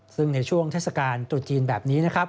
ซึ่งในช่วงเทศกาลตรุษจีนแบบนี้นะครับ